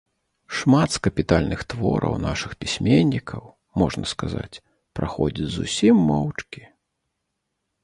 Шмат з капітальных твораў нашых пісьменнікаў, можна сказаць, праходзяць зусім моўчкі.